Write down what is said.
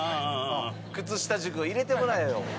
靴下塾入れてもらえよ。